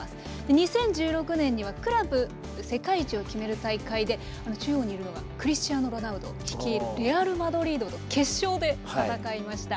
２０１６年にはクラブ世界一を決める大会であの中央にいるのがクリスティアーノ・ロナウド率いるレアル・マドリードと決勝で戦いました。